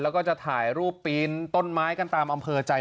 แล้วก็จะถ่ายรูปปีนต้นไม้กันตามอำเภอใจ